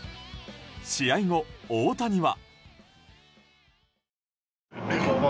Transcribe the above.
試合後、大谷は。